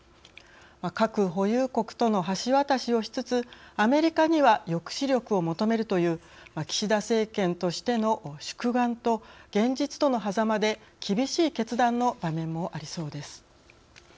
核保有国との橋渡しをしつつアメリカには抑止力を求めるという岸田政権としての宿願と現実とのはざまで厳しい決断の場面もありそうです。